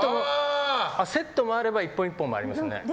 セットもあれば１本１本もありますね。